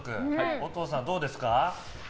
お父さん、どうですか？